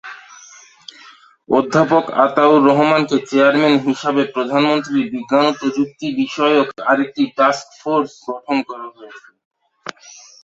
অধ্যাপক আতা-উর-রহমানকে চেয়ারম্যান হিসাবে প্রধানমন্ত্রীর বিজ্ঞান ও প্রযুক্তি বিষয়ক আরেকটি টাস্কফোর্স গঠন করা হয়েছে।